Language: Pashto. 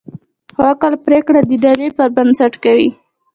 خو عقل پرېکړه د دلیل پر بنسټ کوي.